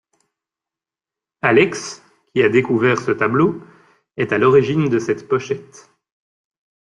Alex, qui a découvert ce tableau, est à l'origine de cette pochette.